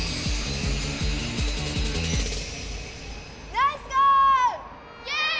ナイスゴール！